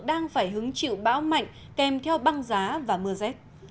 đang phải hứng chịu bão mạnh kèm theo băng giá và mưa rét